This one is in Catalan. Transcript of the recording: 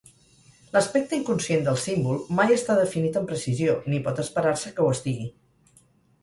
L'aspecte inconscient del símbol mai està definit amb precisió ni pot esperar-se que ho estigui.